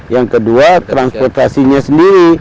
yang kedua transportasinya sendiri